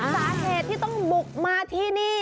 สาเหตุที่ต้องบุกมาที่นี่